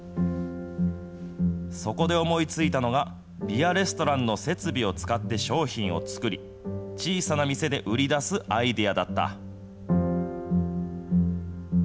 そこで思いついたのが、ビアレストランの設備を使って商品を作り、小さな店で売り出すアイデアだった。